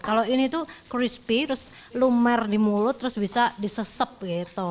kalau ini tuh crispy terus lumer di mulut terus bisa disesep gitu